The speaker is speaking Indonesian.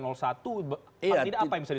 tidak apa yang bisa disampaikan